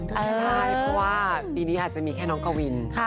ใช่เพราะว่าปีนี้อาจจะมีแค่น้องกวิน